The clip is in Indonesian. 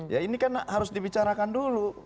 ya ini kan harus dibicarakan dulu